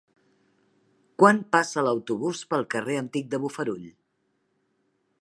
Quan passa l'autobús pel carrer Antic de Bofarull?